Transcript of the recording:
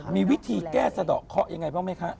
มีวิธีแก้สะดอกเคาะยังไงบ้างไหมคะ